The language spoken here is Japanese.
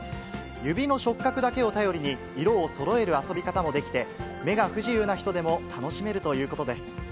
指の触覚だけを頼りに、色をそろえる遊び方もできて、目が不自由な人でも楽しめるということです。